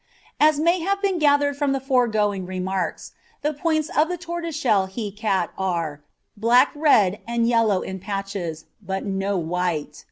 As may have been gathered from the foregoing remarks, the points of the tortoiseshell he cat are, black red and yellow in patches, but no white.